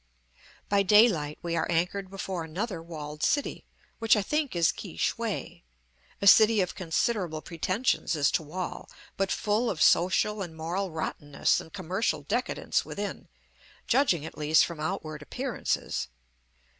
By daylight we are anchored before another walled city, which I think is Ki shway, a city of considerable pretentions as to wall, but full of social and moral rottenness and commercial decadence within, judging, at least, from outward appearances.